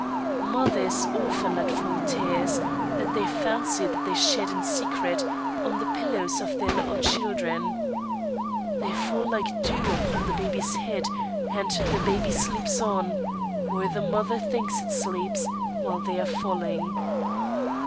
Mothers often let fall tears, that they fancy that they shed in secret, on the pillows of their little children. They fall like dew upon the baby's head, and the baby sleeps on, or the mother thinks it sleeps, while they are falling.